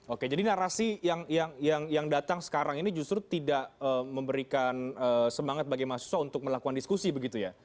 oke jadi narasi yang datang sekarang ini justru tidak memberikan semangat bagi mahasiswa untuk melakukan diskusi begitu ya